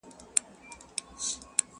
نیل د قهر به یې ډوب کړي تور لښکر د فرعونانو!.